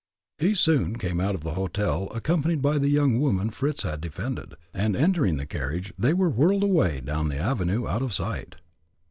He soon came out of the hotel, accompanied by the young woman Fritz had defended, and entering the carriage, they were whirled away down the avenue out of sight.